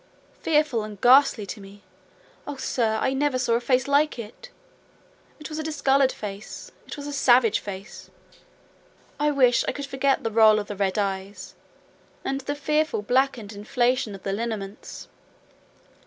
"Fearful and ghastly to me—oh, sir, I never saw a face like it! It was a discoloured face—it was a savage face. I wish I could forget the roll of the red eyes and the fearful blackened inflation of the lineaments!"